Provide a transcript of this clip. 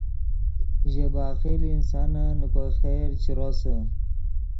ژے بخیل انسانن نے کوئے خیر چے روسے